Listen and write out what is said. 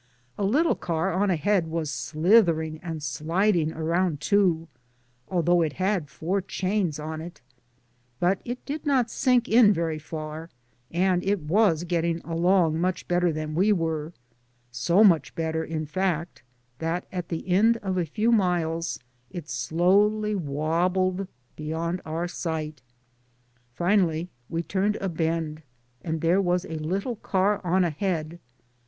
A little car on ahead was slithering and sliding around too, although it had four chains on it, but it did not sink in very far and it was getting along much better than we were ŌĆö so much better in fact, that at the end of a few miles it slowly wobbled beyond our sight. Finally we turned a bend and there was a little car on ahead.